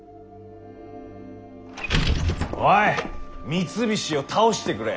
三菱を倒してくれ！